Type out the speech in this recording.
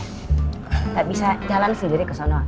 tidak bisa jalan sendiri ke sana